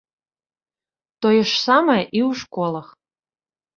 Тое ж самае і ў школах.